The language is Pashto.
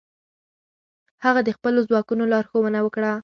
هغه د خپلو ځواکونو لارښوونه وکړه.